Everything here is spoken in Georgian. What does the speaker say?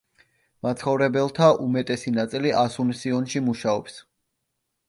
მაცხოვრებელთა უმეტესი ნაწილი ასუნსიონში მუშაობს.